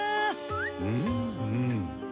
うんうん。